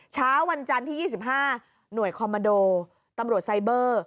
เช้าวันจันทร์ที่๒๕หน่วยคอมมาโดตำรวจไซเบอร์